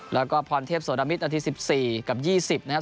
แล้วก็พรเทพสวรรคมิตนาทีสิบสี่กับยี่สิบนะครับ